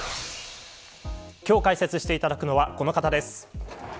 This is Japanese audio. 今日解説していただくのはこの方です。